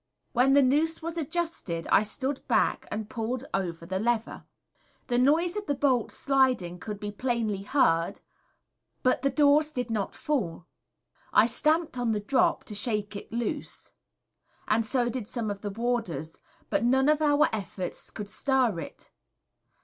When the noose was adjusted I stood back and pulled over the lever. The noise of the bolts sliding could be plainly heard, but the doors did not fall. I stamped on the drop, to shake it loose, and so did some of the warders, but none of our efforts could stir it.